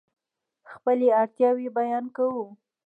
خپلې اړتیاوې بیان کوو.